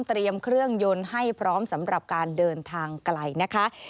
เตรียมเครื่องยนต์ให้พร้อมสำหรับการเดินทางไกลนะคะ